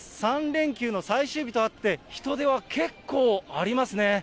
３連休の最終日とあって、人出は結構ありますね。